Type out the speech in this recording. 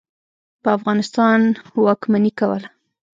په افغانستان واکمني کوله.